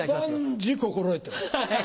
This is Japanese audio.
万事心得てます。